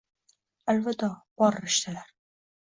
Аlvido, bor rishtalar